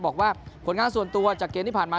บอกว่าผลงานส่วนตัวจากเกมที่ผ่านมา